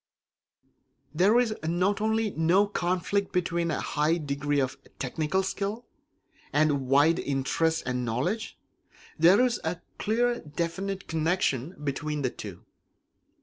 There is not only no conflict between a high degree of technical skill and wide interests and knowledge; there is a clear and definite connection between the two.